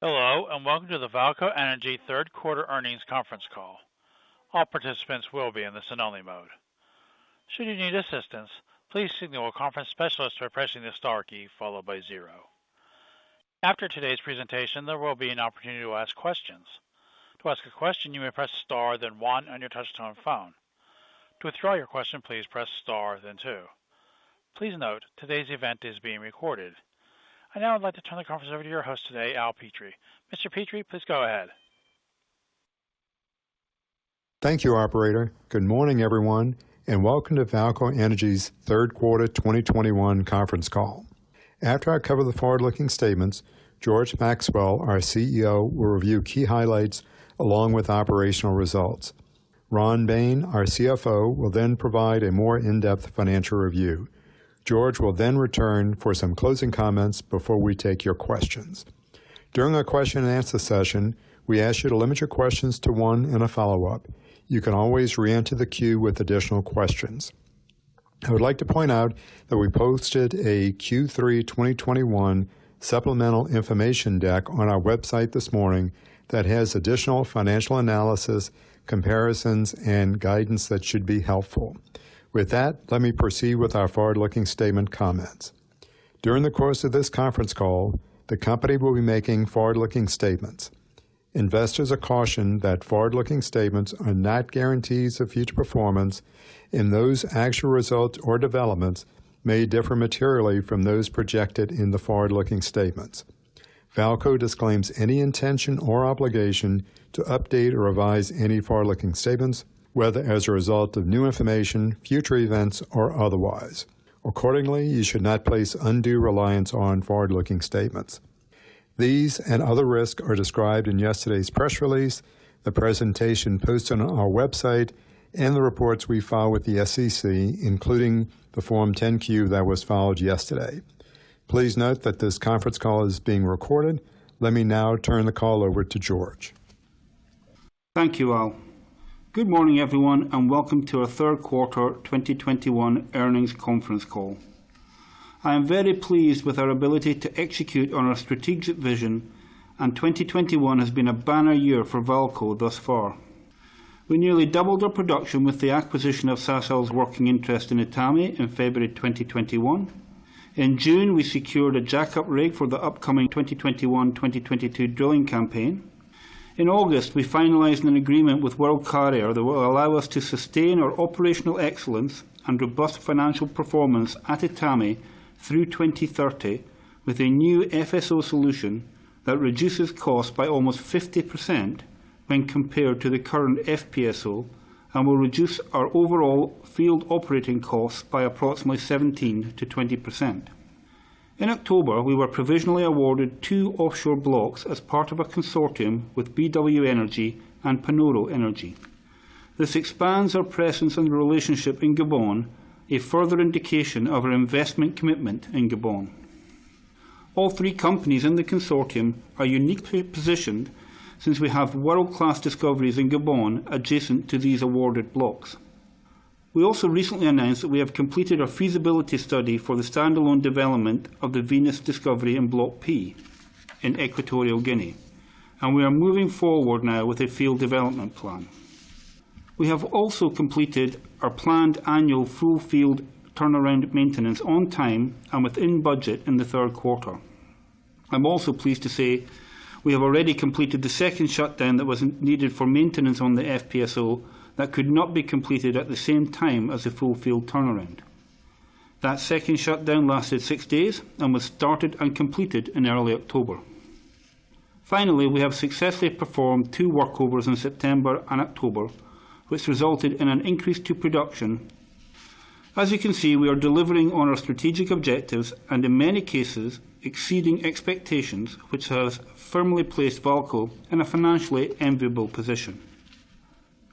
Hello, and welcome to the VAALCO Energy Q3 earnings conference call. All participants will be in the listen only mode. Should you need assistance, please signal a conference specialist by pressing the star key followed by zero. After today's presentation, there will be an opportunity to ask questions. To ask a question, you may press star then one on your touchtone phone. To withdraw your question, please press star then two. Please note, today's event is being recorded. I'd now like to turn the conference over to your host today, Al Petrie. Mr. Petrie, please go ahead. Thank you, operator. Good morning, everyone, and welcome to VAALCO Energy's Q3 2021 conference call. After I cover the forward-looking statements, George Maxwell, our CEO, will review key highlights along with operational results. Ron Bain, our CFO, will then provide a more in-depth financial review. George will then return for some closing comments before we take your questions. During our question and answer session, we ask you to limit your questions to one and a follow-up. You can always re-enter the queue with additional questions. I would like to point out that we posted a Q3 2021 supplemental information deck on our website this morning that has additional financial analysis, comparisons, and guidance that should be helpful. With that, let me proceed with our forward-looking statement comments. During the course of this conference call, the company will be making forward-looking statements. Investors are cautioned that forward-looking statements are not guarantees of future performance, and those actual results or developments may differ materially from those projected in the forward-looking statements. VAALCO disclaims any intention or obligation to update or revise any forward-looking statements, whether as a result of new information, future events, or otherwise. Accordingly, you should not place undue reliance on forward-looking statements. These and other risks are described in yesterday's press release, the presentation posted on our website, and the reports we file with the SEC, including the Form 10-Q that was filed yesterday. Please note that this conference call is being recorded. Let me now turn the call over to George. Thank you, Al. Good morning, everyone, and welcome to our Q3 2021 earnings conference call. I am very pleased with our ability to execute on our strategic vision, and 2021 has been a banner year for VAALCO thus far. We nearly doubled our production with the acquisition of Sasol's working interest in Etame in February 2021. In June, we secured a jackup rig for the upcoming 2021/2022 drilling campaign. In August, we finalized an agreement with World Carrier that will allow us to sustain our operational excellence and robust financial performance at Etame through 2030 with a new FSO solution that reduces costs by almost 50% when compared to the current FPSO and will reduce our overall field operating costs by approximately 17%-20%. In October, we were provisionally awarded two offshore blocks as part of a consortium with BW Energy and Panoro Energy. This expands our presence and relationship in Gabon, a further indication of our investment commitment in Gabon. All three companies in the consortium are uniquely positioned since we have world-class discoveries in Gabon adjacent to these awarded blocks. We also recently announced that we have completed a feasibility study for the standalone development of the Venus discovery in Block P in Equatorial Guinea, and we are moving forward now with a field development plan. We have also completed our planned annual full field turnaround maintenance on time and within budget in the Q3. I'm also pleased to say we have already completed the second shutdown that was needed for maintenance on the FPSO that could not be completed at the same time as a full field turnaround. That second shutdown lasted six days and was started and completed in early October. Finally, we have successfully performed two workovers in September and October, which resulted in an increase to production. As you can see, we are delivering on our strategic objectives and in many cases, exceeding expectations, which has firmly placed VAALCO in a financially enviable position.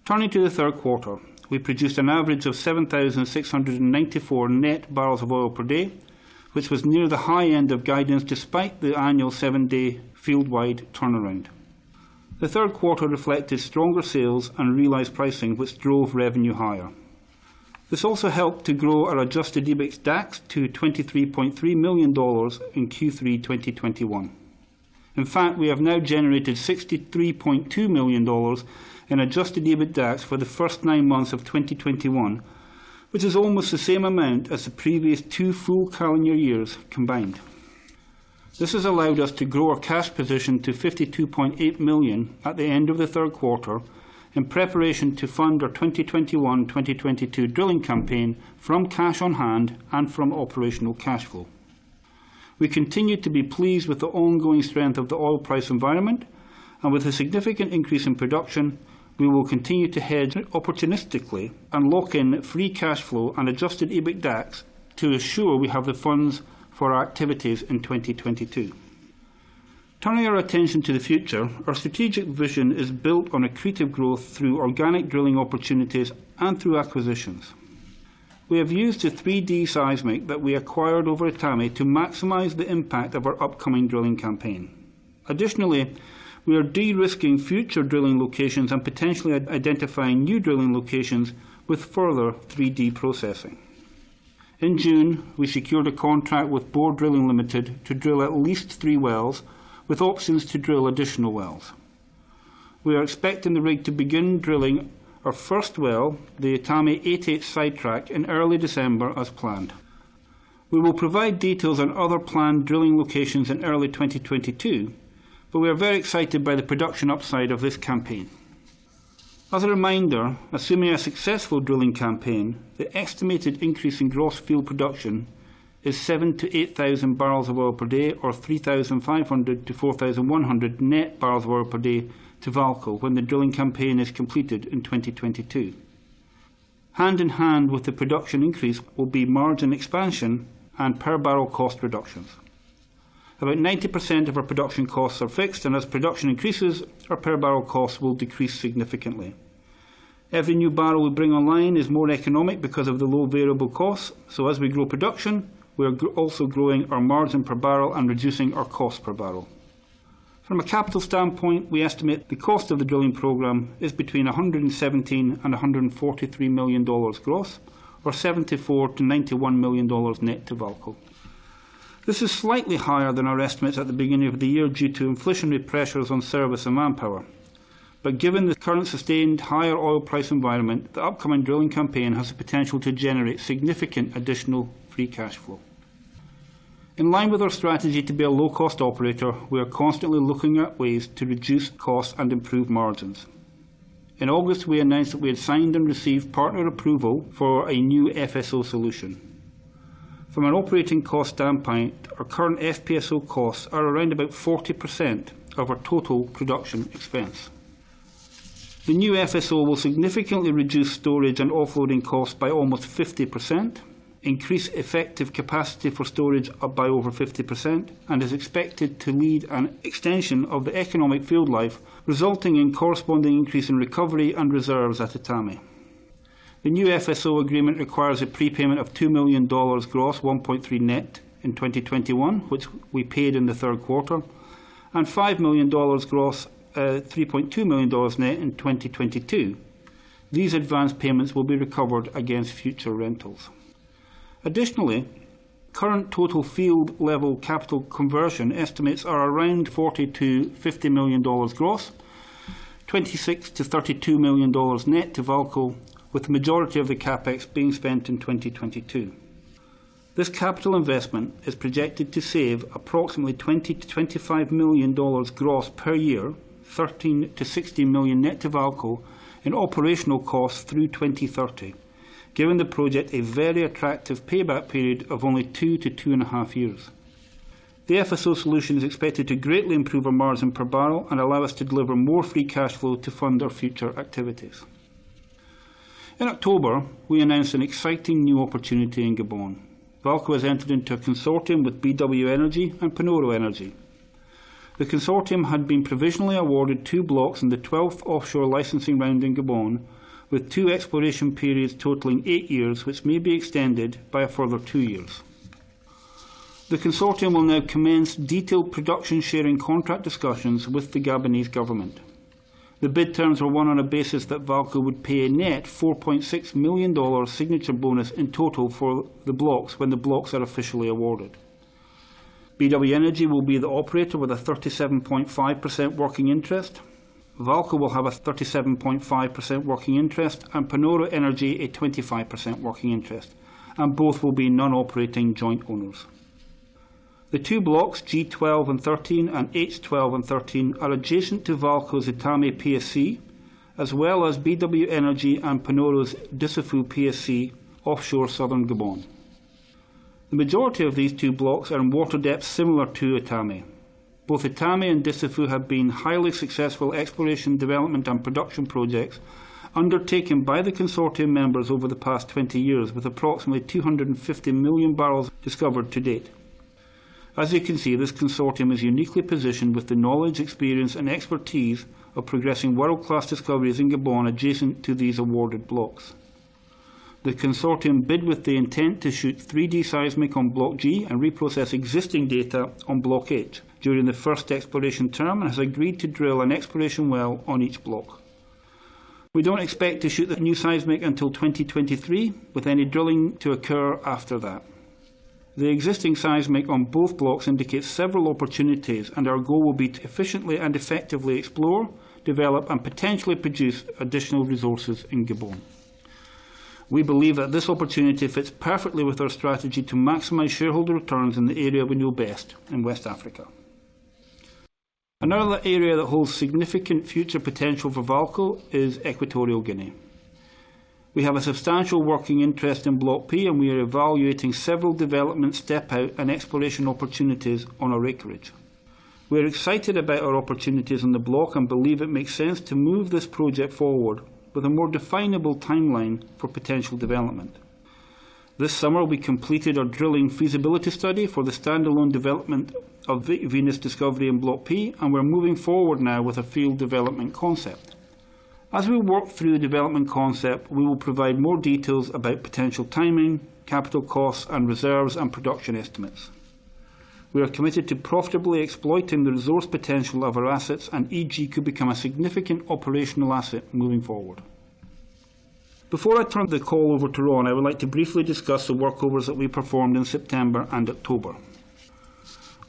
Turning to the Q3, we produced an average of 7,694 net barrels of oil per day, which was near the high end of guidance despite the annual seven-day field-wide turnaround. The Q3 reflected stronger sales and realized pricing, which drove revenue higher. This also helped to grow our adjusted EBITDAX to $23.3 million in Q3 2021. In fact, we have now generated $63.2 million in adjusted EBITDAX for the first nine months of 2021, which is almost the same amount as the previous two full calendar years combined. This has allowed us to grow our cash position to $52.8 million at the end of the Q3 in preparation to fund our 2021/2022 drilling campaign from cash on hand and from operational cash flow. We continue to be pleased with the ongoing strength of the oil price environment and with a significant increase in production. We will continue to hedge opportunistically and lock in free cash flow and adjusted EBITDAX to ensure we have the funds for our activities in 2022. Turning our attention to the future, our strategic vision is built on accretive growth through organic drilling opportunities and through acquisitions. We have used the 3D seismic that we acquired over Etame to maximize the impact of our upcoming drilling campaign. Additionally, we are de-risking future drilling locations and potentially identifying new drilling locations with further 3D processing. In June, we secured a contract with Borr Drilling Limited to drill at least three wells with options to drill additional wells. We are expecting the rig to begin drilling our first well, the Etame 8H-ST, in early December as planned. We will provide details on other planned drilling locations in early 2022, but we are very excited by the production upside of this campaign. As a reminder, assuming a successful drilling campaign, the estimated increase in gross field production is 7,000-8,000 barrels of oil per day or 3,500-4,100 net barrels of oil per day to VAALCO when the drilling campaign is completed in 2022. Hand in hand with the production increase will be margin expansion and per barrel cost reductions. About 90% of our production costs are fixed, and as production increases, our per barrel costs will decrease significantly. Every new barrel we bring online is more economic because of the low variable costs. So as we grow production, we are also growing our margin per barrel and reducing our cost per barrel. From a capital standpoint, we estimate the cost of the drilling program is between $117 million and $143 million gross or $74 million-$91 million net to VAALCO. This is slightly higher than our estimates at the beginning of the year due to inflationary pressures on service and manpower. Given the current sustained higher oil price environment, the upcoming drilling campaign has the potential to generate significant additional free cash flow. In line with our strategy to be a low-cost operator, we are constantly looking at ways to reduce costs and improve margins. In August, we announced that we had signed and received partner approval for a new FSO solution. From an operating cost standpoint, our current FPSO costs are around about 40% of our total production expense. The new FSO will significantly reduce storage and offloading costs by almost 50%, increase effective capacity for storage by over 50%, and is expected to lead an extension of the economic field life, resulting in corresponding increase in recovery and reserves at Etame. The new FSO agreement requires a prepayment of $2 million gross, $1.3 million net in 2021, which we paid in the Q3, and $5 million gross, $3.2 million net in 2022. These advanced payments will be recovered against future rentals. Additionally, current total field level capital conversion estimates are around $40 million-$50 million gross, $26 million-$32 million net to VAALCO, with majority of the CapEx being spent in 2022. This capital investment is projected to save approximately $20 million-$25 million gross per year, $13 million-$16 million net to VAALCO in operational costs through 2030, giving the project a very attractive payback period of only 2-2.5 years. The FSO solution is expected to greatly improve our margin per barrel and allow us to deliver more free cash flow to fund our future activities. In October, we announced an exciting new opportunity in Gabon. VAALCO has entered into a consortium with BW Energy and Panoro Energy. The consortium had been provisionally awarded two blocks in the 12th offshore licensing round in Gabon, with two exploration periods totaling eight years, which may be extended by a further two years. The consortium will now commence detailed production sharing contract discussions with the Gabonese government. The bid terms were won on a basis that VAALCO would pay a net $4.6 million signature bonus in total for the blocks when the blocks are officially awarded. BW Energy will be the operator with a 37.5 working interest. VAALCO will have a 37.5 working interest, and Panoro Energy a 25% working interest, and both will be non-operating joint owners. The two blocks, G-12 and 13 and H-12 and 13, are adjacent to VAALCO's Etame PSC, as well as BW Energy and Panoro's Dussafu PSC offshore southern Gabon. The majority of these two blocks are in water depth similar to Etame. Both Etame and Dussafu have been highly successful exploration, development, and production projects undertaken by the consortium members over the past 20 years with approximately 250 million barrels discovered to date. As you can see, this consortium is uniquely positioned with the knowledge, experience, and expertise of progressing world-class discoveries in Gabon adjacent to these awarded blocks. The consortium bid with the intent to shoot 3D seismic on Block G and reprocess existing data on Block H during the first exploration term and has agreed to drill an exploration well on each block. We don't expect to shoot the new seismic until 2023, with any drilling to occur after that. The existing seismic on both blocks indicates several opportunities, and our goal will be to efficiently and effectively explore, develop, and potentially produce additional resources in Gabon. We believe that this opportunity fits perfectly with our strategy to maximize shareholder returns in the area we know best in West Africa. Another area that holds significant future potential for VAALCO is Equatorial Guinea. We have a substantial working interest in Block P, and we are evaluating several development step-out and exploration opportunities on our acreage. We're excited about our opportunities on the block and believe it makes sense to move this project forward with a more definable timeline for potential development. This summer, we completed our drilling feasibility study for the standalone development of the Venus discovery in Block P, and we're moving forward now with a field development concept. As we work through the development concept, we will provide more details about potential timing, capital costs, and reserves and production estimates. We are committed to profitably exploiting the resource potential of our assets, and EG could become a significant operational asset moving forward. Before I turn the call over to Ron, I would like to briefly discuss the workovers that we performed in September and October.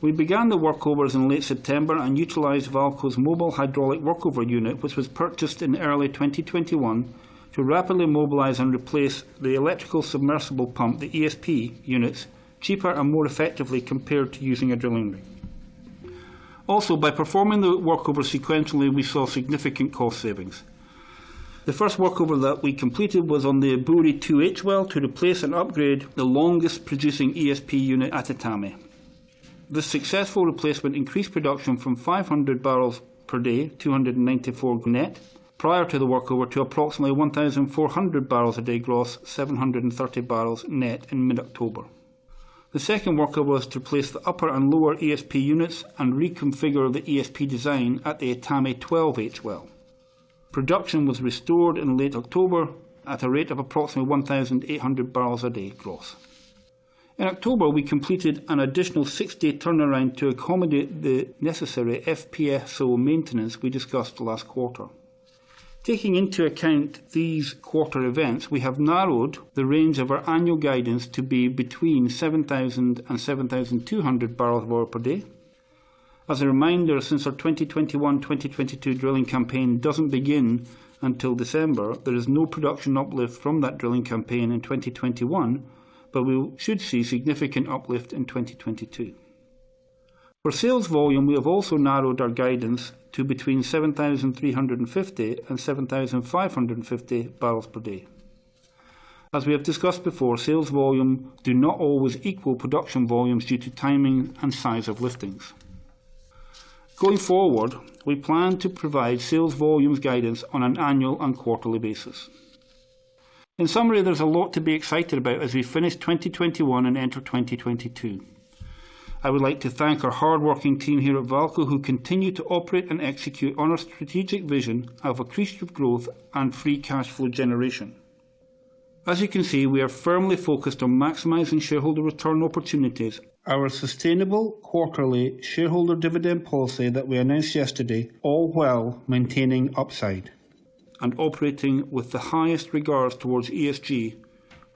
We began the workovers in late September and utilized VAALCO's mobile hydraulic workover unit, which was purchased in early 2021, to rapidly mobilize and replace the electrical submersible pump, the ESP units, cheaper and more effectively compared to using a drilling rig. Also, by performing the workover sequentially, we saw significant cost savings. The first workover that we completed was on the Ebouri 2-H well to replace and upgrade the longest-producing ESP unit at Etame. The successful replacement increased production from 500 barrels per day, 294 net prior to the workover, to approximately 1,400 barrels a day gross, 730 barrels net in mid-October. The second workover was to place the upper and lower ESP units and reconfigure the ESP design at the Etame 12H well. Production was restored in late October at a rate of approximately 1,800 barrels a day gross. In October, we completed an additional 6-day turnaround to accommodate the necessary FPSO maintenance we discussed last quarter. Taking into account these quarter events, we have narrowed the range of our annual guidance to be between 7,000 and 7,200 barrels of oil per day. As a reminder, since our 2021/2022 drilling campaign doesn't begin until December, there is no production uplift from that drilling campaign in 2021, but we should see significant uplift in 2022. For sales volume, we have also narrowed our guidance to between 7,350 and 7,550 barrels per day. As we have discussed before, sales volume do not always equal production volumes due to timing and size of liftings. Going forward, we plan to provide sales volumes guidance on an annual and quarterly basis. In summary, there's a lot to be excited about as we finish 2021 and enter 2022. I would like to thank our hardworking team here at VAALCO who continue to operate and execute on our strategic vision of accretive growth and free cash flow generation. As you can see, we are firmly focused on maximizing shareholder return opportunities. Our sustainable quarterly shareholder dividend policy that we announced yesterday all while maintaining upside and operating with the highest regards towards ESG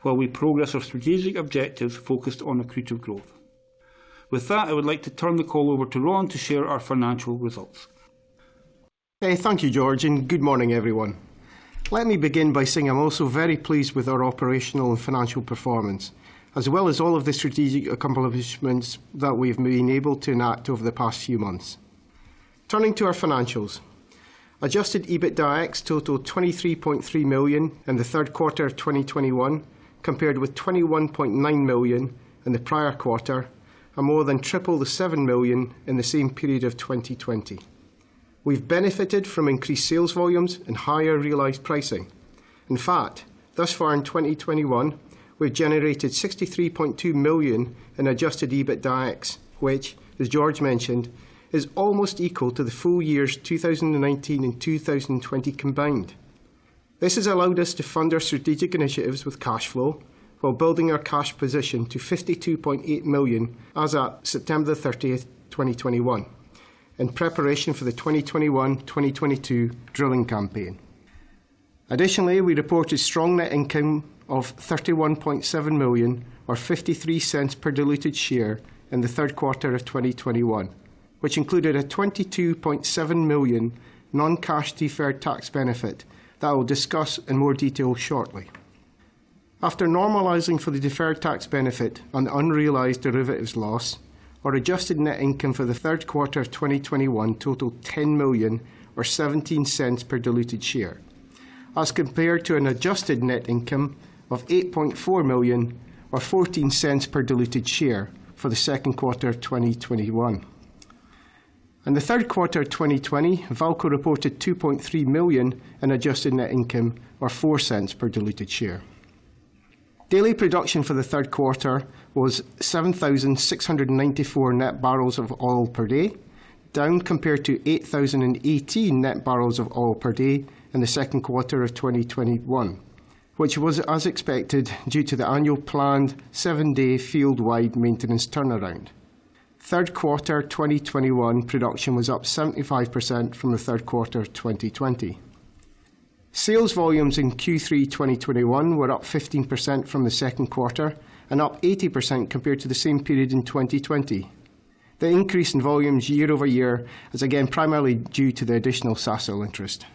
while we progress our strategic objectives focused on accretive growth. With that, I would like to turn the call over to Ron to share our financial results. Hey, thank you, George, and good morning, everyone. Let me begin by saying I'm also very pleased with our operational and financial performance, as well as all of the strategic accomplishments that we've been able to enact over the past few months. Turning to our financials. Adjusted EBITDAX totaled $23.3 million in the Q3 of 2021, compared with $21.9 million in the prior quarter, and more than triple the $7 million in the same period of 2020. We've benefited from increased sales volumes and higher realized pricing. In fact, thus far in 2021, we've generated $63.2 million in adjusted EBITDAX, which, as George mentioned, is almost equal to the full years 2019 and 2020 combined. This has allowed us to fund our strategic initiatives with cash flow while building our cash position to $52.8 million as of September 30, 2021, in preparation for the 2021/2022 drilling campaign. Additionally, we reported strong net income of $31.7 million or $0.53 per diluted share in the Q3 of 2021, which included a $22.7 million non-cash deferred tax benefit that I will discuss in more detail shortly. After normalizing for the deferred tax benefit on unrealized derivatives loss, our adjusted net income for the Q3 of 2021 totaled $10 million or $0.17 per diluted share, as compared to an adjusted net income of $8.4 million or $0.14 per diluted share for the Q2 of 2021. In the Q3 of 2020, VAALCO reported $2.3 million in adjusted net income or $0.04 per diluted share. Daily production for the Q3 was 7,694 net barrels of oil per day, down compared to 8,018 net barrels of oil per day in the Q2 of 2021, which was as expected due to the annual planned 7-day field-wide maintenance turnaround. Q3 2021 production was up 75% from the Q3 of 2020. Sales volumes in Q3 2021 were up 15% from the Q2 and up 80% compared to the same period in 2020. The increase in volumes year-over-year is again primarily due to the additional Sasol interest.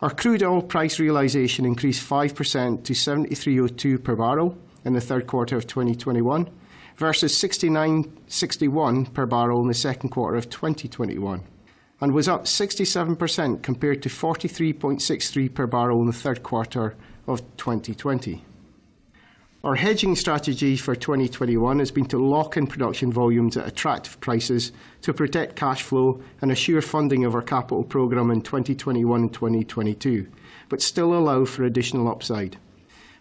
Our crude oil price realization increased 5% to $73.02 per barrel in the Q3 of 2021 versus $69.61 per barrel in the Q2 of 2021 and was up 67% compared to $43.63 per barrel in the Q3 of 2020. Our hedging strategy for 2021 has been to lock in production volumes at attractive prices to protect cash flow and assure funding of our capital program in 2021/2022, but still allow for additional upside.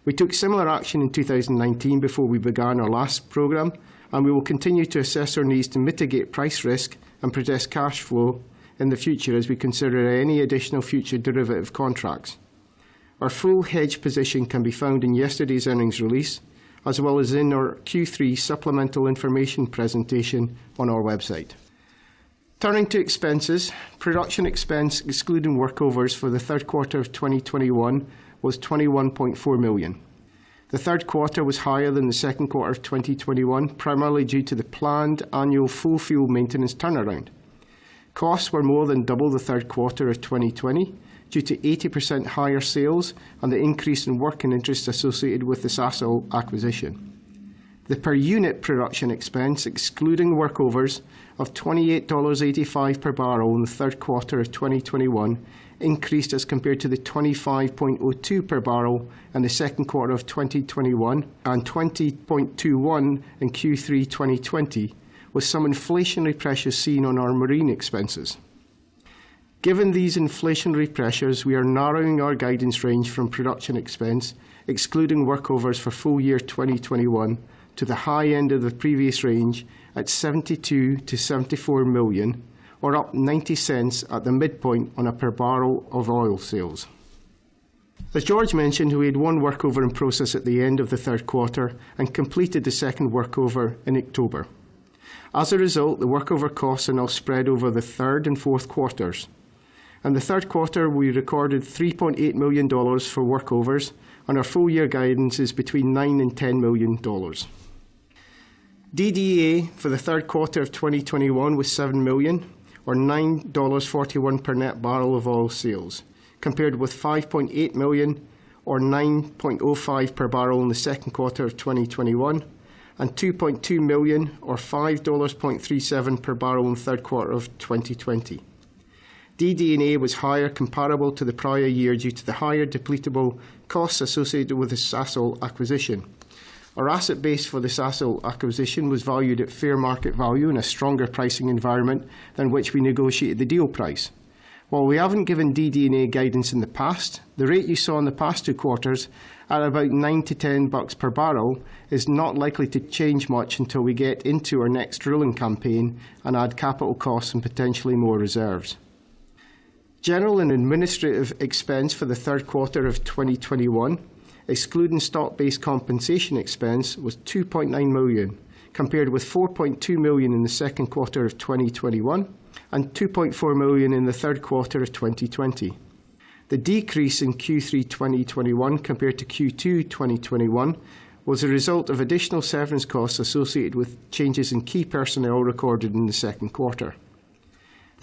We took similar action in 2019 before we began our last program, and we will continue to assess our needs to mitigate price risk and protect cash flow in the future as we consider any additional future derivative contracts. Our full hedge position can be found in yesterday's earnings release, as well as in our Q3 supplemental information presentation on our website. Turning to expenses. Production expense excluding workovers for the Q3 of 2021 was $21.4 million. The Q3 was higher than the Q2 of 2021, primarily due to the planned annual full field maintenance turnaround. Costs were more than double the Q3 of 2020 due to 80% higher sales and the increase in working interest associated with the Sasol acquisition. The per unit production expense excluding workovers of $28.85 per barrel in Q3 2021 increased as compared to the $25.02 per barrel in Q2 2021 and $20.21 in Q3 2020, with some inflationary pressures seen on our marine expenses. Given these inflationary pressures, we are narrowing our guidance range from production expense excluding workovers for full year 2021 to the high end of the previous range at $72 million-$74 million or up $0.90 at the midpoint on a per barrel of oil sales. As George mentioned, we had one workover in process at the end of the Q3 and completed the second workover in October. As a result, the workover costs are now spread over the Q3 and Q4's. In the Q3, we recorded $3.8 million for workovers, and our full year guidance is between $9 million and $10 million. DD&A for the Q3 of 2021 was $7 million or $9.41 per net barrel of oil sales, compared with $5.8 million or $9.05 per barrel in the Q2 of 2021 and $2.2 million or $5.37 per barrel in the Q3 of 2020. DD&A was higher comparable to the prior year due to the higher depletable costs associated with the Sasol acquisition. Our asset base for the Sasol acquisition was valued at fair market value in a stronger pricing environment than which we negotiated the deal price. While we haven't given DD&A guidance in the past, the rate you saw in the past two quarters at about $9-$10 per barrel is not likely to change much until we get into our next drilling campaign and add capital costs and potentially more reserves. General and administrative expense for the Q3 of 2021, excluding stock-based compensation expense, was $2.9 million, compared with $4.2 million in the Q2 of 2021 and $2.4 million in the Q3 of 2020. The decrease in Q3 2021 compared to Q2 2021 was a result of additional severance costs associated with changes in key personnel recorded in the Q2.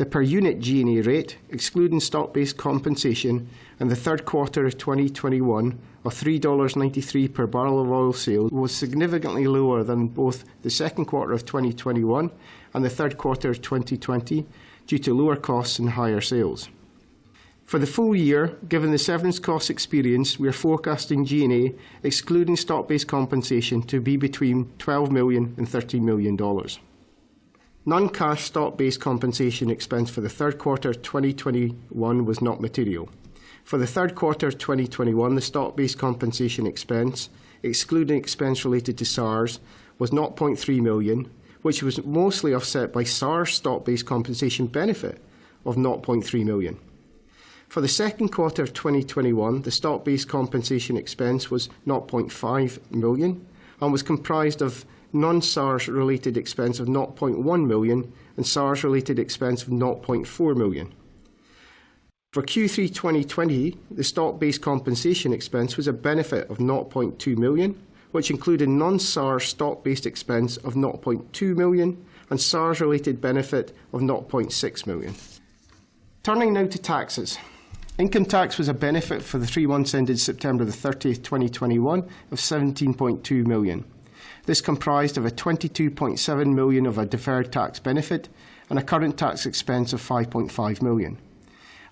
The per unit G&A rate, excluding stock-based compensation in the Q3 of 2021 of $3.93 per barrel of oil sold, was significantly lower than both the Q2 of 2021 and the Q3 of 2020 due to lower costs and higher sales. For the full year, given the severance cost experience, we are forecasting G&A excluding stock-based compensation to be between $12 million and $13 million. Non-cash stock-based compensation expense for the Q3 2021 was not material. For the Q3 of 2021, the stock-based compensation expense, excluding expense related to SARs, was $0.3 million, which was mostly offset by SARs stock-based compensation benefit of $0.3 million. For the Q2 of 2021, the stock-based compensation expense was $0.5 million and was comprised of non-SARs related expense of $0.1 million and SARs related expense of $0.4 million. For Q3 2020, the stock-based compensation expense was a benefit of $0.2 million, which included non-SARs stock-based expense of $0.2 million and SARs related benefit of $0.6 million. Turning now to taxes. Income tax was a benefit for the three months ended September 30, 2021 of $17.2 million. This comprised of a $22.7 million of a deferred tax benefit and a current tax expense of $5.5 million.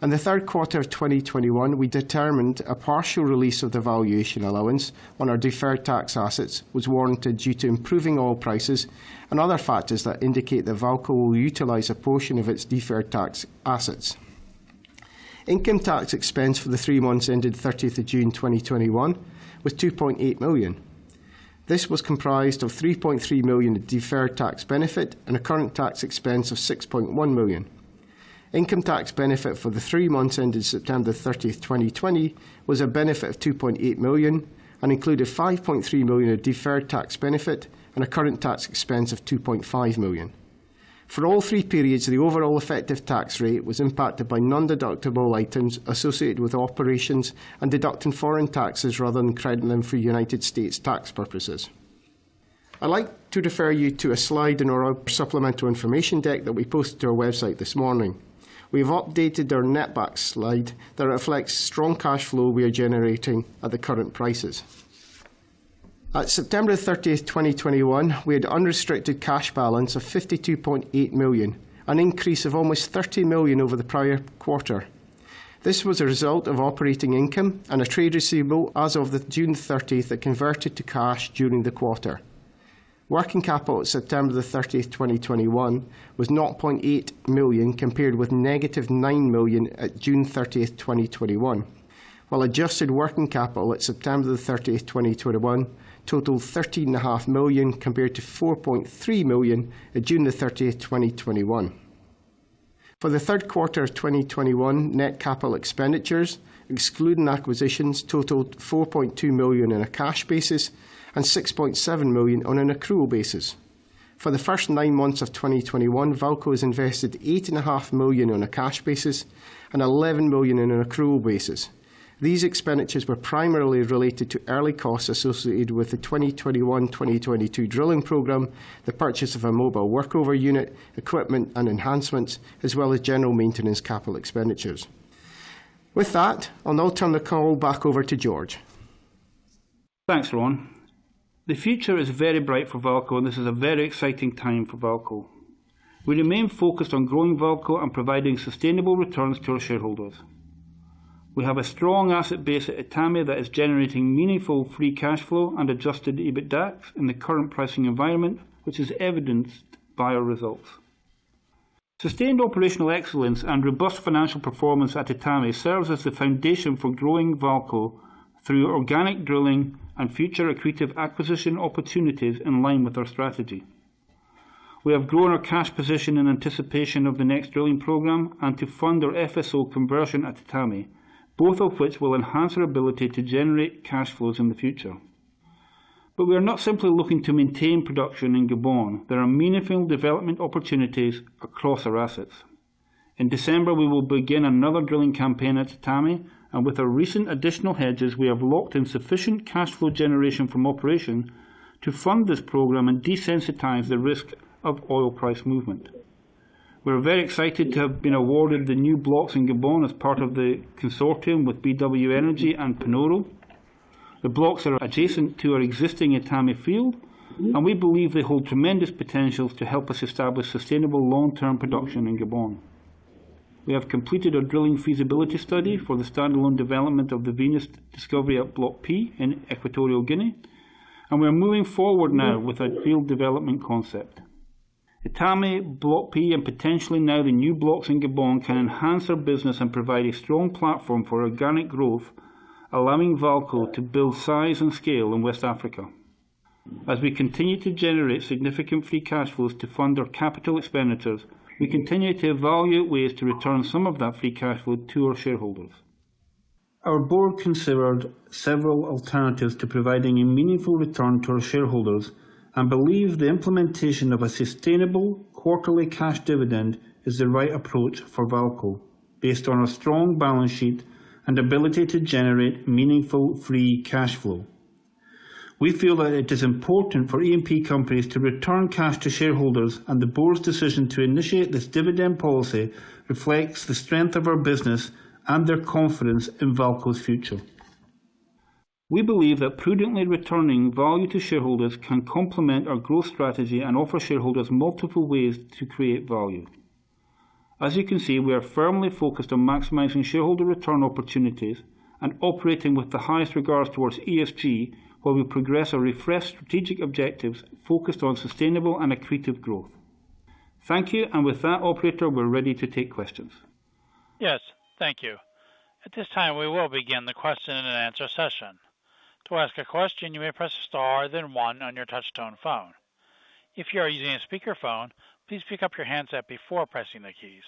In the Q3 of 2021, we determined a partial release of the valuation allowance on our deferred tax assets was warranted due to improving oil prices and other factors that indicate that VAALCO will utilize a portion of its deferred tax assets. Income tax expense for the three months ended June 30, 2021 was $2.8 million. This was comprised of $3.3 million deferred tax benefit and a current tax expense of $6.1 million. Income tax benefit for the three months ended September 30, 2020 was a benefit of $2.8 million and included $5.3 million of deferred tax benefit and a current tax expense of $2.5 million. For all three periods, the overall effective tax rate was impacted by nondeductible items associated with operations and deducting foreign taxes rather than crediting them for United States tax purposes. I'd like to refer you to a slide in our supplemental information deck that we posted to our website this morning. We have updated our netbacks slide that reflects strong cash flow we are generating at the current prices. At September 30, 2021, we had unrestricted cash balance of $52.8 million, an increase of almost $30 million over the prior quarter. This was a result of operating income and a trade receivable as of June 30 that converted to cash during the quarter. Working capital at September 30, 2021 was $0.8 million, compared with -$9 million at June 30, 2021, while adjusted working capital at September 30, 2021 totaled $13.5 million, compared to $4.3 million at June 30, 2021. For the Q3 of 2021, net capital expenditures, excluding acquisitions, totaled $4.2 million on a cash basis and $6.7 million on an accrual basis. For the first nine months of 2021, VAALCO has invested $8.5 million on a cash basis and $11 million on an accrual basis. These expenditures were primarily related to early costs associated with the 2021/2022 drilling program, the purchase of a mobile workover unit, equipment and enhancements, as well as general maintenance capital expenditures. With that, I'll now turn the call back over to George. Thanks, Ron. The future is very bright for VAALCO, and this is a very exciting time for VAALCO. We remain focused on growing VAALCO and providing sustainable returns to our shareholders. We have a strong asset base at Etame that is generating meaningful free cash flow and adjusted EBITDA in the current pricing environment, which is evidenced by our results. Sustained operational excellence and robust financial performance at Etame serves as the foundation for growing VAALCO through organic drilling and future accretive acquisition opportunities in line with our strategy. We have grown our cash position in anticipation of the next drilling program and to fund our FSO conversion at Etame, both of which will enhance our ability to generate cash flows in the future. We are not simply looking to maintain production in Gabon. There are meaningful development opportunities across our assets. In December, we will begin another drilling campaign at Etame, and with our recent additional hedges, we have locked in sufficient cash flow generation from operation to fund this program and desensitize the risk of oil price movement. We're very excited to have been awarded the new blocks in Gabon as part of the consortium with BW Energy and Panoro. The blocks are adjacent to our existing Etame field, and we believe they hold tremendous potential to help us establish sustainable long-term production in Gabon. We have completed our drilling feasibility study for the stand-alone development of the Venus discovery at Block P in Equatorial Guinea, and we are moving forward now with a field development concept. Etame, Block P, and potentially now the new blocks in Gabon can enhance our business and provide a strong platform for organic growth, allowing VAALCO to build size and scale in West Africa. As we continue to generate significant free cash flows to fund our capital expenditures, we continue to evaluate ways to return some of that free cash flow to our shareholders. Our board considered several alternatives to providing a meaningful return to our shareholders and believe the implementation of a sustainable quarterly cash dividend is the right approach for VAALCO based on our strong balance sheet and ability to generate meaningful free cash flow. We feel that it is important for E&P companies to return cash to shareholders, and the board's decision to initiate this dividend policy reflects the strength of our business and their confidence in VAALCO's future. We believe that prudently returning value to shareholders can complement our growth strategy and offer shareholders multiple ways to create value. As you can see, we are firmly focused on maximizing shareholder return opportunities and operating with the highest regards towards ESG while we progress our refreshed strategic objectives focused on sustainable and accretive growth. Thank you. With that operator, we're ready to take questions. Yes. Thank you. At this time, we will begin the question and answer session. To ask a question, you may press star then one on your touch-tone phone. If you are using a speakerphone, please pick up your handset before pressing the keys.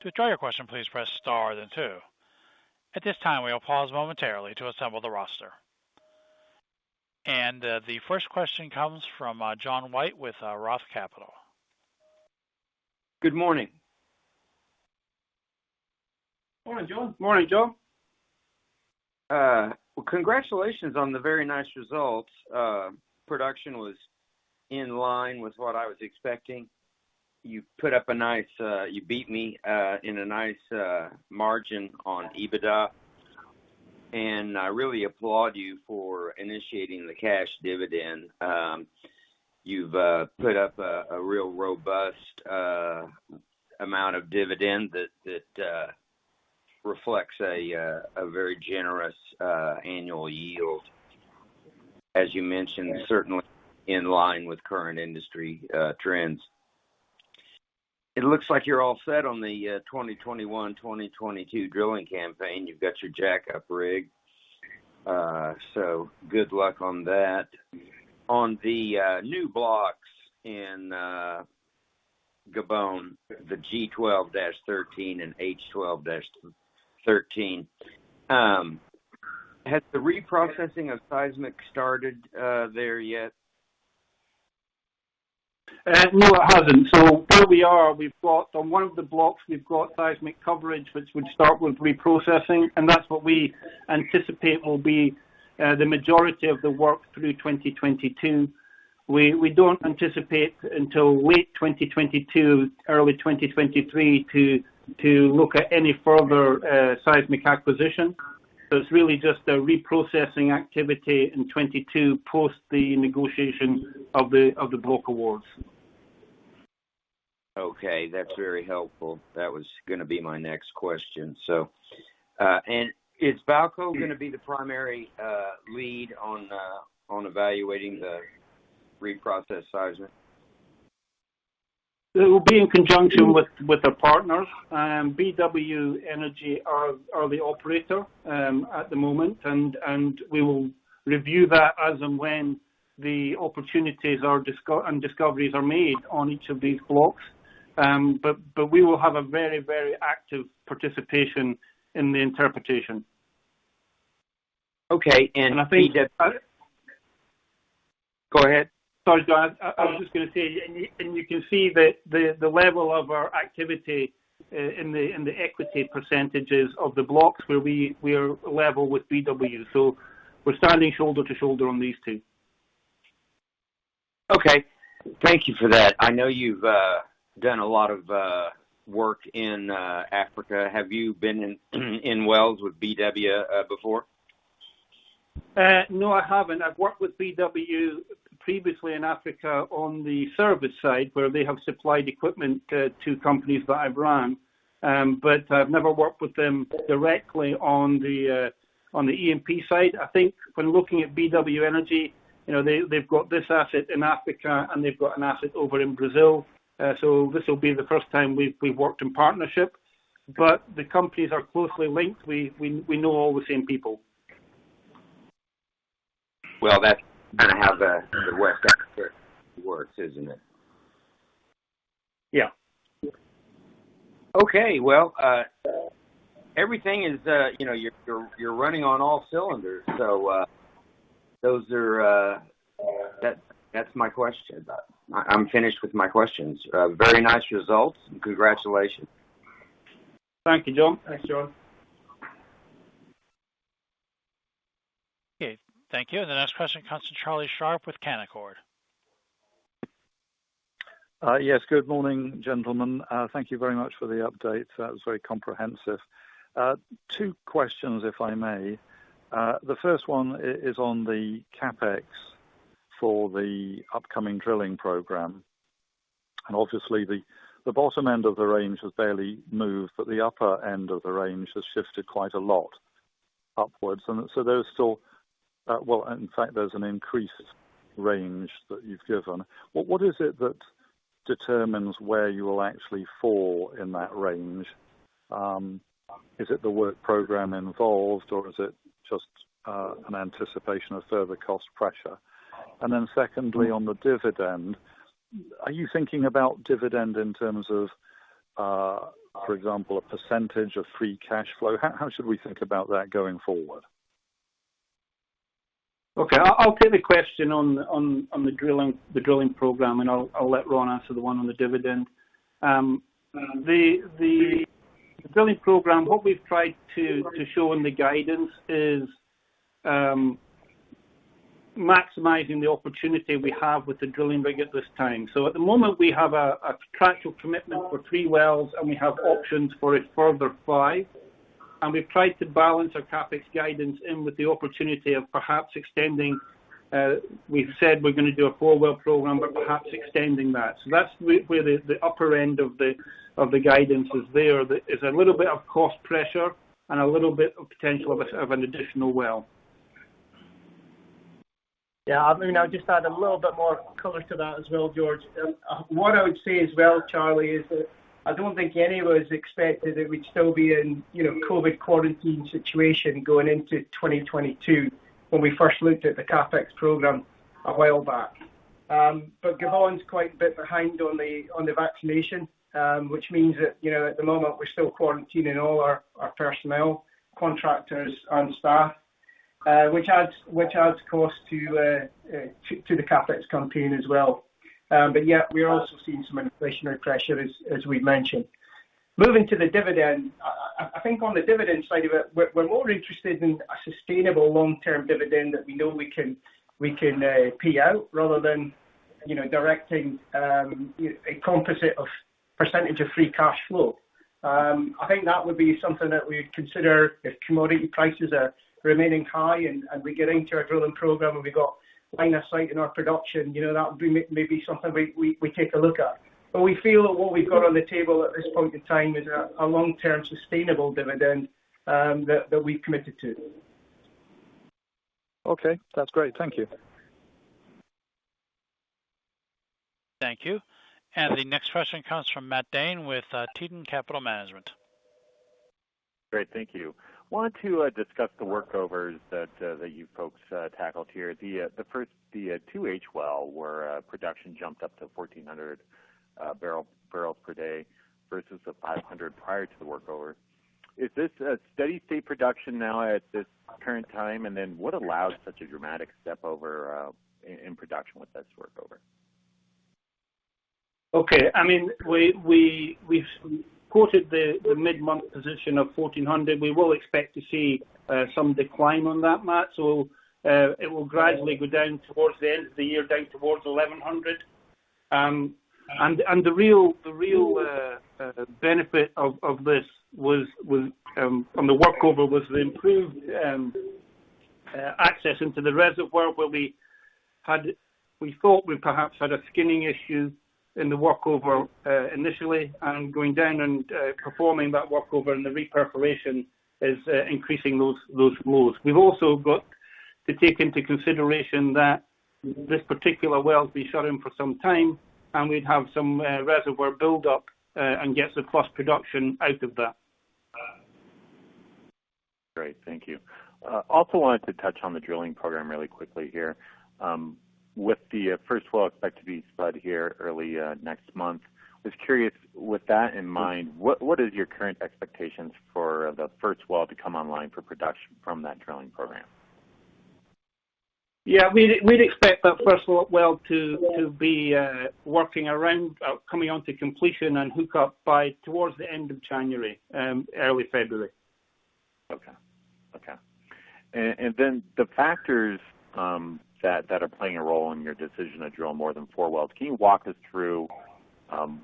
To withdraw your question, please press star then two. At this time, we will pause momentarily to assemble the roster. The first question comes from John White with ROTH Capital. Good morning. Morning, John. Morning, John. Well, congratulations on the very nice results. Production was in line with what I was expecting. You beat me in a nice margin on EBITDA. I really applaud you for initiating the cash dividend. You've put up a real robust amount of dividend that reflects a very generous annual yield. As you mentioned, certainly in line with current industry trends. It looks like you're all set on the 2021/2022 drilling campaign. You've got your jackup rig. Good luck on that. On the new blocks in Gabon, the G12-13 and H12-13, has the reprocessing of seismic started there yet? No, it hasn't. Where we are, we've got on one of the blocks, we've got seismic coverage which would start with reprocessing, and that's what we anticipate will be the majority of the work through 2022. We don't anticipate until late 2022, early 2023 to look at any further seismic acquisition. It's really just a reprocessing activity in 2022 post the negotiation of the block awards. Okay. That's very helpful. That was gonna be my next question. Is VAALCO gonna be the primary lead on evaluating the reprocessed seismic? It will be in conjunction with our partners. BW Energy are the operator at the moment. We will review that as and when the opportunities and discoveries are made on each of these blocks. We will have a very active participation in the interpretation. Okay. I think that I think that. Go ahead. Sorry, John. I was just gonna say, and you can see that the level of our activity in the equity percentages of the blocks where we are level with BW. We're standing shoulder to shoulder on these two. Okay. Thank you for that. I know you've done a lot of work in Africa. Have you been in wells with BW before? No, I haven't. I've worked with BW previously in Africa on the service side, where they have supplied equipment to companies that I've run. I've never worked with them directly on the E&P side. I think when looking at BW Energy, you know, they've got this asset in Africa, and they've got an asset over in Brazil. This will be the first time we've worked in partnership. The companies are closely linked. We know all the same people. Well, that's kinda how the West Africa works, isn't it? Yeah. Okay. Well, everything is. You know, you're running on all cylinders. Those are my questions. That's my question. I'm finished with my questions. Very nice results. Congratulations. Thank you, John. Thanks, John. Okay. Thank you. The next question comes to Charlie Sharp with Canaccord. Yes. Good morning, gentlemen. Thank you very much for the update. That was very comprehensive. Two questions, if I may. The first one is on the CapEx for the upcoming drilling program. Obviously the bottom end of the range has barely moved, but the upper end of the range has shifted quite a lot upwards. There's still. Well, in fact, there's an increased range that you've given. What is it that determines where you will actually fall in that range? Is it the work program involved, or is it just an anticipation of further cost pressure? Then secondly, on the dividend, are you thinking about dividend in terms of, for example, a percentage of free cash flow? How should we think about that going forward? Okay. I'll take the question on the drilling program, and I'll let Ron answer the one on the dividend. The drilling program, what we've tried to show in the guidance is maximizing the opportunity we have with the drilling rig at this time. At the moment, we have a contractual commitment for three wells, and we have options for a further five. We've tried to balance our CapEx guidance in with the opportunity of perhaps extending. We've said we're gonna do a four-well program, but perhaps extending that. That's where the upper end of the guidance is there. It's a little bit of cost pressure and a little bit of potential of an additional well. Yeah. I mean, I would just add a little bit more color to that as well, George. What I would say as well, Charlie, is that I don't think any of us expected that we'd still be in, you know, COVID quarantine situation going into 2022 when we first looked at the CapEx program a while back. Gabon's quite a bit behind on the vaccination, which means that, you know, at the moment, we're still quarantining all our personnel, contractors and staff, which adds cost to the CapEx campaign as well. Yeah, we are also seeing some inflationary pressure as we've mentioned. Moving to the dividend, I think on the dividend side of it, we're more interested in a sustainable long-term dividend that we know we can pay out rather than, you know, directing, you know, a composite of percentage of free cash flow. I think that would be something that we'd consider if commodity prices are remaining high and we get into our drilling program, and we've got line of sight in our production. You know, that would be maybe something we take a look at. But we feel that what we've got on the table at this point in time is a long-term sustainable dividend that we've committed to. Okay. That's great. Thank you. Thank you. The next question comes from Matt Dhane with Tieton Capital Management. Great. Thank you. I wanted to discuss the workovers that you folks tackled here. The 2H well, where production jumped up to 1,400 barrels per day versus the 500 prior to the workover. Is this a steady state production now at this current time? What allowed such a dramatic step-up in production with this workover? I mean, we've quoted the mid-month position of 1,400. We will expect to see some decline on that, Matt. It will gradually go down towards the end of the year, down towards 1,100. The real benefit of this was the improved access into the reservoir where we thought we perhaps had a skinning issue in the workover initially. Going down and performing that workover and the reperforation is increasing those flows. We've also got to take into consideration that this particular well will be shut in for some time, and we'd have some reservoir buildup and get the cross production out of that. Great. Thank you. Also wanted to touch on the drilling program really quickly here. With the first well expected to be spud here early next month, I was curious, with that in mind, what is your current expectations for the first well to come online for production from that drilling program? Yeah, we'd expect that first well to be coming on to completion and hook up by towards the end of January, early February. The factors that are playing a role in your decision to drill more than four wells, can you walk us through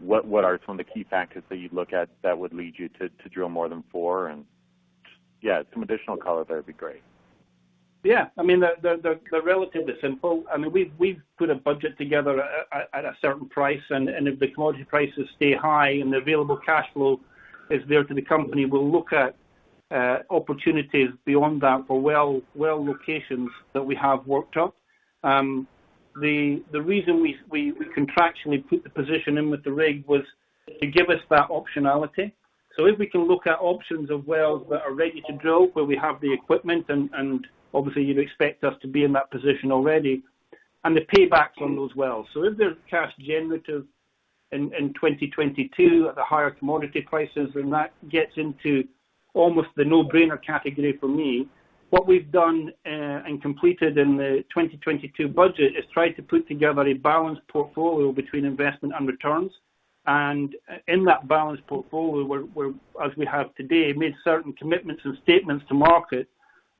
what are some of the key factors that you'd look at that would lead you to drill more than four, and some additional color there would be great. Yeah. I mean, they're relatively simple. I mean, we've put a budget together at a certain price, and if the commodity prices stay high and the available cash flow is there to the company, we'll look at opportunities beyond that for well locations that we have worked up. The reason we contractually put the position in with the rig was to give us that optionality. If we can look at options of wells that are ready to drill, where we have the equipment and obviously you'd expect us to be in that position already, and the paybacks on those wells if they're cash generative in 2022 at the higher commodity prices, then that gets into almost the no-brainer category for me. What we've done and completed in the 2022 budget is try to put together a balanced portfolio between investment and returns. In that balanced portfolio, we're, as we have today, made certain commitments and statements to market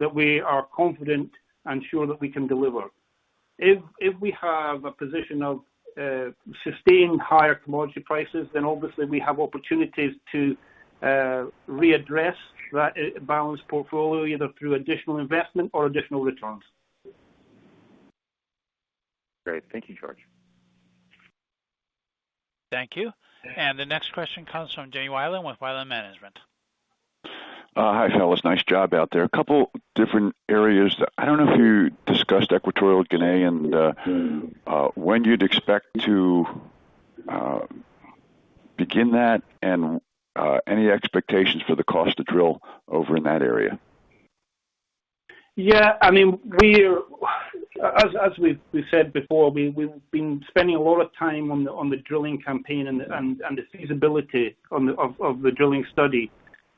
that we are confident and sure that we can deliver. If we have a position of sustained higher commodity prices, then obviously we have opportunities to readdress that balanced portfolio, either through additional investment or additional returns. Great. Thank you, George. Thank you. The next question comes from James Wilen with Wilen Investment Management. Hi, fellas. Nice job out there. A couple different areas that I don't know if you discussed Equatorial Guinea and when you'd expect to begin that and any expectations for the cost to drill over in that area? Yeah, I mean, as we've said before, we've been spending a lot of time on the drilling campaign and the feasibility of the drilling study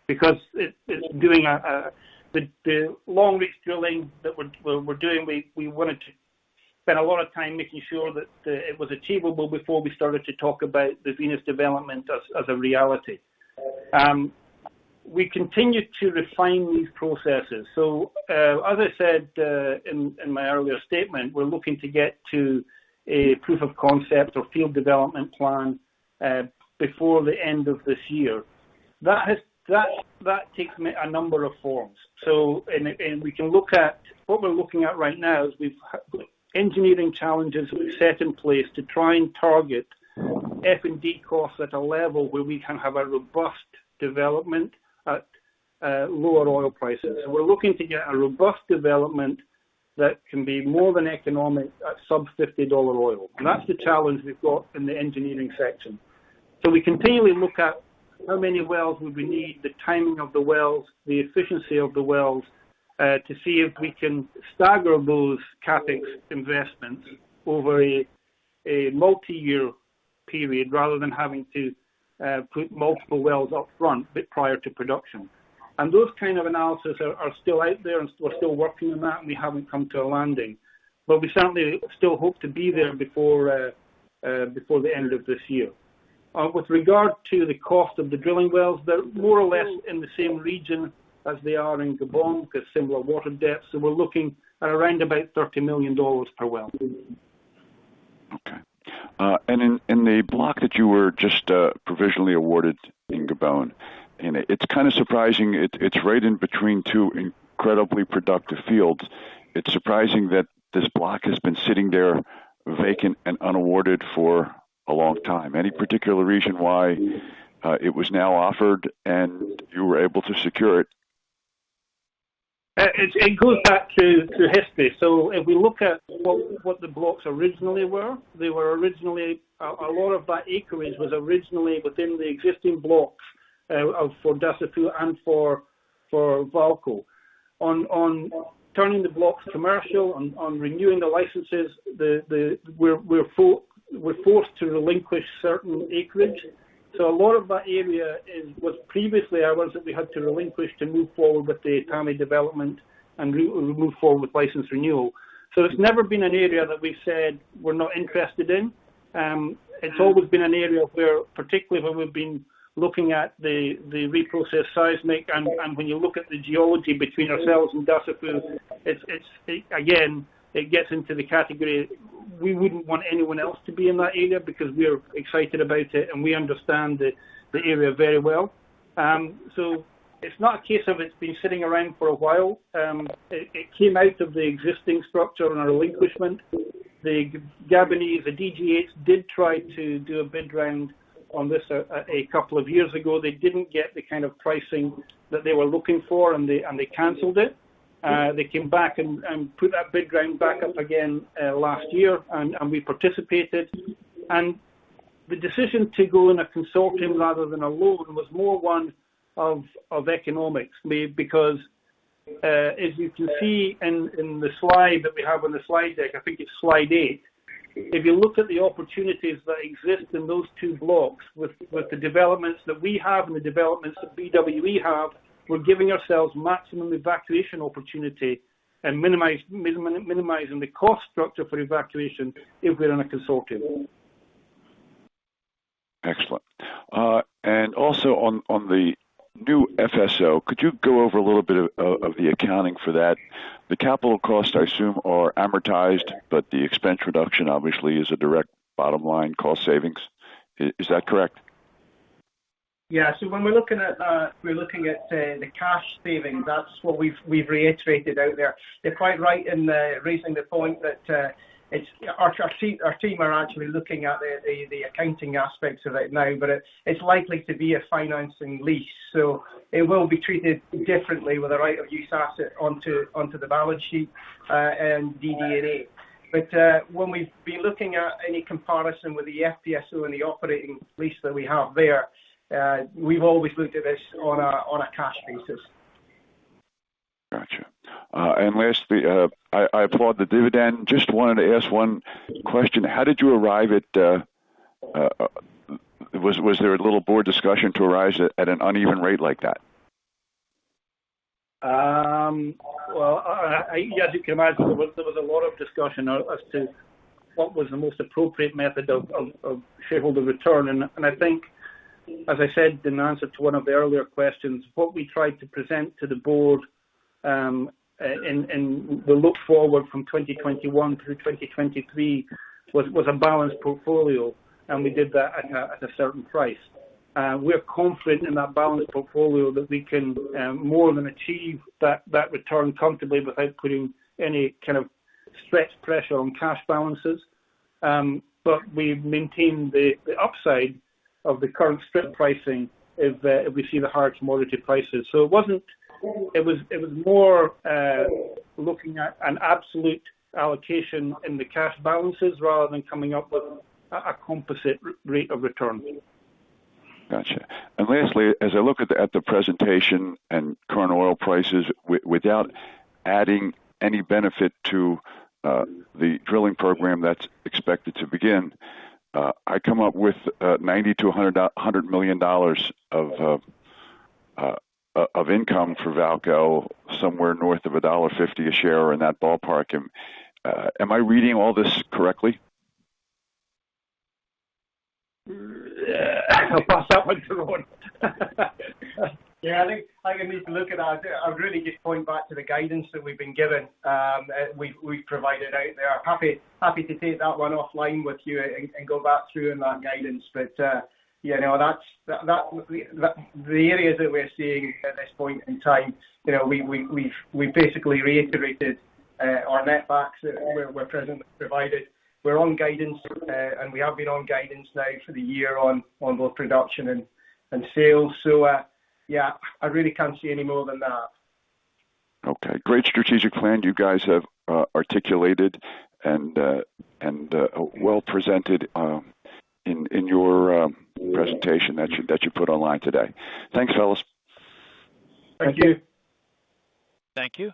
because it's the long reach drilling that we're doing. We wanted to spend a lot of time making sure that it was achievable before we started to talk about the Venus development as a reality. We continue to refine these processes. As I said in my earlier statement, we're looking to get to a proof of concept or field development plan before the end of this year. That takes me a number of forms. We can look at- What we're looking at right now is we've engineering challenges we've set in place to try and target F&D costs at a level where we can have a robust development at lower oil prices. We're looking to get a robust development that can be more than economic at sub $50 oil. That's the challenge we've got in the engineering section. We continually look at how many wells would we need, the timing of the wells, the efficiency of the wells, to see if we can stagger those CapEx investments over a multi-year period rather than having to put multiple wells up front but prior to production. Those kind of analysis are still out there, and we're still working on that, and we haven't come to a landing. We certainly still hope to be there before the end of this year. With regard to the cost of the drilling wells, they're more or less in the same region as they are in Gabon, because similar water depths, so we're looking at around about $30 million per well. Okay. In the block that you were just provisionally awarded in Gabon, it's kinda surprising it's right in between two incredibly productive fields. It's surprising that this block has been sitting there vacant and unawarded for a long time. Any particular reason why it was now offered and you were able to secure it? It goes back to history. If we look at what the blocks originally were, they were originally. A lot of that acreage was originally within the existing blocks of Dussafu and VAALCO. On turning the blocks commercial, on renewing the licenses, we were forced to relinquish certain acreage. A lot of that area was previously ours that we had to relinquish to move forward with the Etame development and move forward with license renewal. It's never been an area that we said we're not interested in. It's always been an area where, particularly when we've been looking at the reprocessed seismic and when you look at the geology between ourselves and Dussafu, it gets into the category we wouldn't want anyone else to be in that area because we're excited about it, and we understand the area very well. It's not a case of it's been sitting around for a while. It came out of the existing structure and our relinquishment. The Gabonese DGH did try to do a bid round on this a couple of years ago. They didn't get the kind of pricing that they were looking for, and they canceled it. They came back and put that bid round back up again last year, and we participated. The decision to go in a consortium rather than alone was more one of economics made because, as you can see in the slide that we have on the slide deck, I think it's slide eight. If you look at the opportunities that exist in those two blocks with the developments that we have and the developments that BW Energy have, we're giving ourselves maximum evacuation opportunity and minimizing the cost structure for evacuation if we're in a consortium. Excellent. Also on the new FSO, could you go over a little bit of the accounting for that? The capital costs, I assume, are amortized, but the expense reduction obviously is a direct bottom line cost savings. Is that correct? Yeah. When we're looking at the cash savings, that's what we've reiterated out there. You're quite right in raising the point that it's our team are actually looking at the accounting aspects of it now, but it's likely to be a financing lease. It will be treated differently with a right of use asset onto the balance sheet and DD&A. When we've been looking at any comparison with the FPSO and the operating lease that we have there, we've always looked at this on a cash basis. Gotcha. Lastly, I applaud the dividend. Just wanted to ask one question. Was there a little Board discussion to arrive at an uneven rate like that? Well, I, as you can imagine, there was a lot of discussion as to what was the most appropriate method of shareholder return. I think, as I said in answer to one of the earlier questions, what we tried to present to the board and we look forward from 2021 through 2023 was a balanced portfolio, and we did that at a certain price. We're confident in that balanced portfolio that we can more than achieve that return comfortably without putting any kind of stress or pressure on cash balances. We've maintained the upside of the current strip pricing if we see the higher commodity prices. It wasn't. It was more looking at an absolute allocation in the cash balances rather than coming up with a composite rate of return. Gotcha. Lastly, as I look at the presentation and current oil prices, without adding any benefit to the drilling program that's expected to begin, I come up with $90 million-$100 million of income for VAALCO somewhere north of $1.50 a share in that ballpark. Am I reading all this correctly? Yeah. I'll pass that one to Ron Bain. I'd really just point back to the guidance that we've been given, we've provided out there. Happy to take that one offline with you and go back through on that guidance. The areas that we're seeing at this point in time, you know, we've basically reiterated our net backs that we're presently provided. We're on guidance and we have been on guidance now for the year on both production and sales. Yeah, I really can't see any more than that. Okay. Great strategic plan you guys have articulated and well presented in your presentation that you put online today. Thanks, fellas. Thank you. Thank you.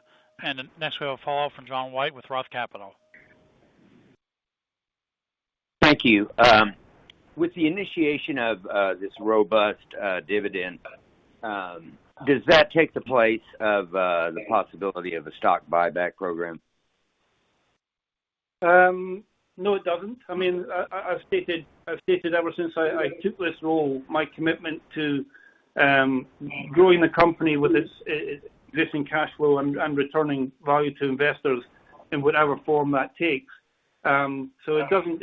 Next, we have a follow-up from John White with ROTH Capital. Thank you. With the initiation of this robust dividend, does that take the place of the possibility of a stock buyback program? No, it doesn't. I mean, I've stated ever since I took this role my commitment to growing the company with its existing cash flow and returning value to investors in whatever form that takes. It doesn't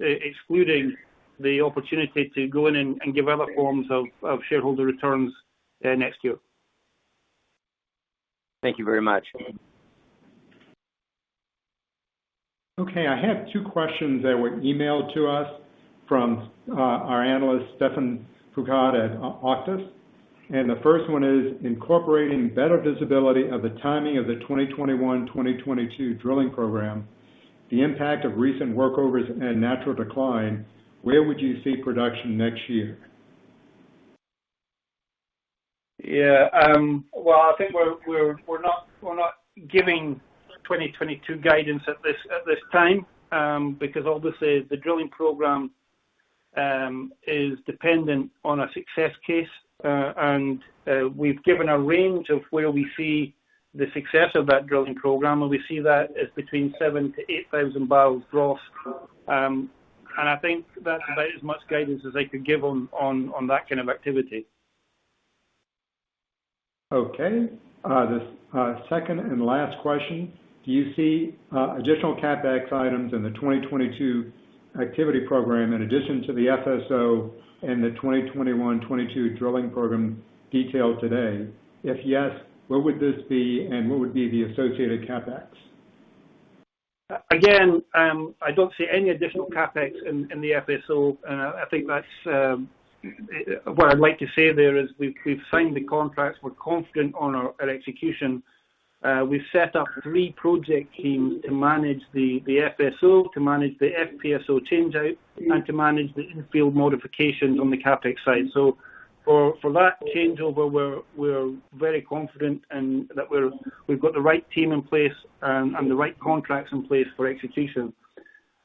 exclude the opportunity to go in and give other forms of shareholder returns next year. Thank you very much. Okay. I have two questions that were emailed to us from our analyst, Stephane Foucaud at Auctus. The first one is: Incorporating better visibility of the timing of the 2021, 2022 drilling program, the impact of recent workovers and natural decline, where would you see production next year? Yeah. Well, I think we're not giving 2022 guidance at this time, because obviously the drilling program is dependent on a success case. We've given a range of where we see the success of that drilling program, and we see that as between 7,000-8,000 barrels gross. I think that's about as much guidance as I could give on that kind of activity. Okay. The second and last question: Do you see additional CapEx items in the 2022 activity program in addition to the FSO and the 2021-2022 drilling program detailed today? If yes, what would this be, and what would be the associated CapEx? Again, I don't see any additional CapEx in the FSO. I think that's what I'd like to say there is we've signed the contracts. We're confident on our execution. We've set up three project teams to manage the FSO, to manage the FPSO changeout, and to manage the infield modifications on the CapEx side. For that changeover, we're very confident that we've got the right team in place, and the right contracts in place for execution.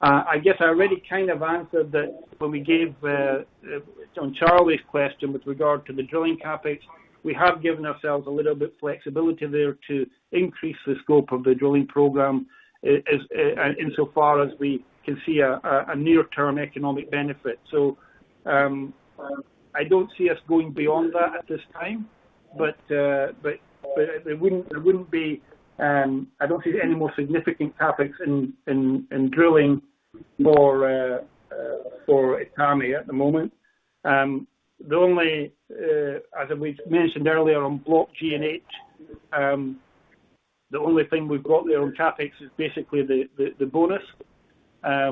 I guess I already kind of answered that when we gave on Charlie's question with regard to the drilling CapEx. We have given ourselves a little bit flexibility there to increase the scope of the drilling program as insofar as we can see a near-term economic benefit. I don't see us going beyond that at this time, but it wouldn't be. I don't see any more significant CapEx in drilling for Etame at the moment. As we've mentioned earlier on Blocks G and H, the only thing we've got there on CapEx is basically the bonus,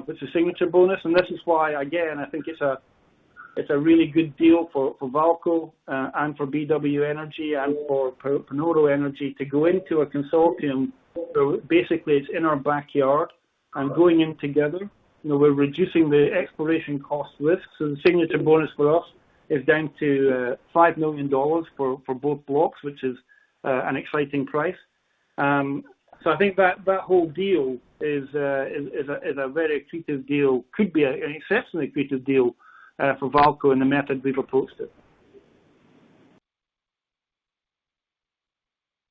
which is signature bonus. This is why, again, I think it's a really good deal for VAALCO and for BW Energy and for Panoro Energy to go into a consortium. Basically it's in our backyard and going in together. You know, we're reducing the exploration cost risk. The signature bonus for us is down to $5 million for both blocks, which is an exciting price. I think that whole deal is a very accretive deal. Could be an exceptionally accretive deal for VAALCO in the method we've approached it.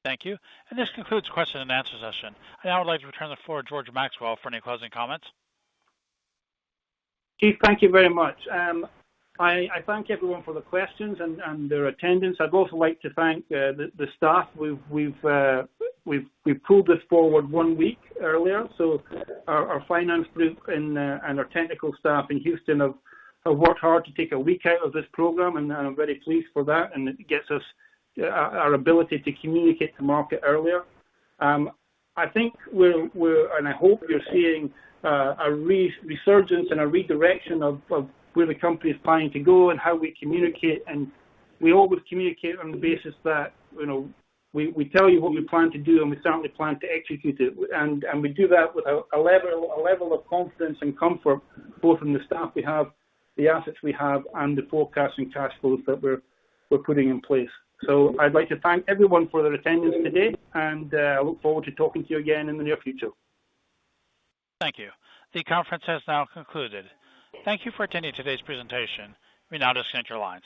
Thank you. This concludes the question and answer session. I now would like to turn the floor to George Maxwell for any closing comments. Steve, thank you very much. I thank everyone for the questions and their attendance. I'd also like to thank the staff. We've pulled this forward one week earlier. Our finance group and our technical staff in Houston have worked hard to take a week out of this program, and I'm very pleased for that. It gets us our ability to communicate to market earlier. I think we're and I hope we're seeing a resurgence and a redirection of where the company is planning to go and how we communicate. We always communicate on the basis that, you know, we tell you what we plan to do, and we certainly plan to execute it. We do that with a level of confidence and comfort, both in the staff we have, the assets we have and the forecasting cash flows that we're putting in place. I'd like to thank everyone for their attendance today and look forward to talking to you again in the near future. Thank you. The conference has now concluded. Thank you for attending today's presentation. We now disconnect your lines.